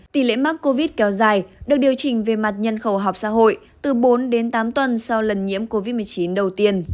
tỷ lệ mắc covid kéo dài được điều chỉnh về mặt nhân khẩu học xã hội từ bốn đến tám tuần sau lần nhiễm covid một mươi chín đầu tiên